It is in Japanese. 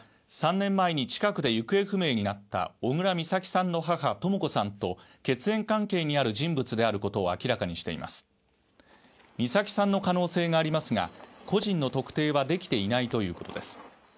３年前に近くで行方不明になった小倉美咲さんの母・とも子さんと血縁関係にある人物であることを明らかにしています美咲さんの可能性がありますが個人の特定はできていないということです